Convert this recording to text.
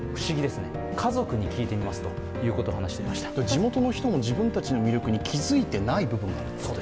地元の人も自分たちの魅力に気づいてない部分がある。